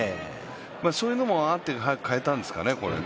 そういうのもあって早く変えたんですかね。